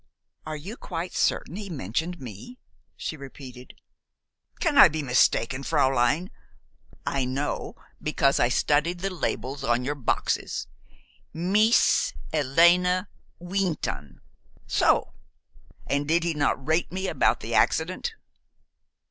"Are you quite certain he mentioned me?" she repeated. "Can I be mistaken, fräulein. I know, because I studied the labels on your boxes. Mees Hélène Weenton so? And did he not rate me about the accident?"